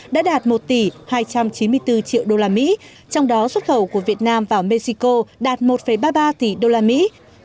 đã đạt một tỷ hai trăm chín mươi bốn triệu đô la mỹ trong đó xuất khẩu của việt nam vào mexico đạt một ba mươi ba tỷ đô la mỹ